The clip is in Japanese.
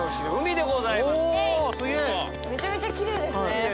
めちゃめちゃきれいですね。